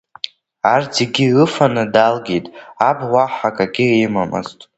Арҭ зегьы ыфаны далгеит, аб уаҳа акагьы имамызт.